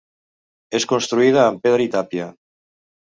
És construïda amb pedra i tàpia.